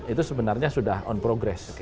itu sebenarnya sudah on progress